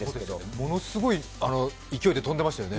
ものすごい勢いで飛んでましたよね。